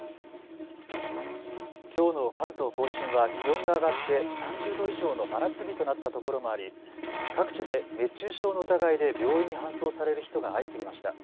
きょうの関東甲信は気温が上がって３０度以上の真夏日となったところもあり各地で熱中症の疑いで病院に搬送される人が相次ぎました。